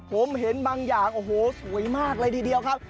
ผมเห็นบางอย่างโอ้โหสวยมากเลยทีเดียวครับ